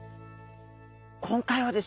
今回はですね